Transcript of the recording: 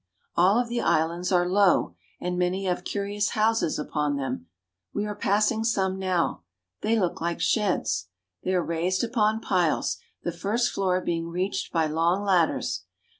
All of the islands are low, and many have curious houses upon them. We are passing some now. They look like sheds. They are raised upon piles, the first floor being reached by long ladders.